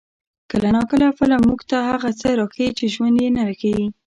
کله ناکله فلم موږ ته هغه څه راښيي چې ژوند یې نه ښيي.